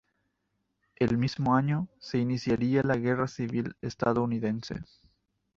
El mismo año, se iniciaría la Guerra Civil Estadounidense.